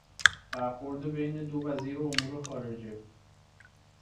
برخورد بین دو وزیر امور خارجه